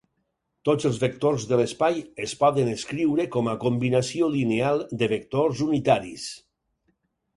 Tots els vectors de l'espai es poden escriure com a combinació lineal de vectors unitaris.